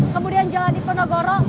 kemudian jalan dipenogoro